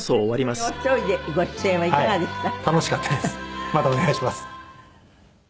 またお願いします。